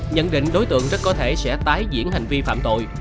nhận định đối tượng rất có thể sẽ tái diễn hành vi phạm tội